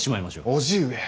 叔父上。